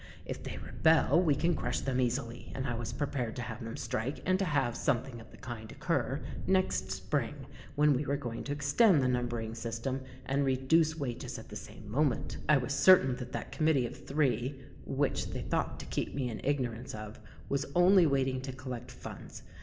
If they rebel we can crush them easily, and I was prepared to have them strike, and to have something of the kind occur, next spring when we were going to extend the numbering system and reduce wages at the same moment. I was certain that that committee of three (which they thought to keep me in ignorance of), was only waiting to collect funds.